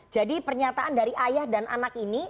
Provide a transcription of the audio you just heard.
jadi pernyataan dari ayah dan anak ini